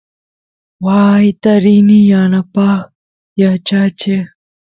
waayta rini yanapaq yachacheq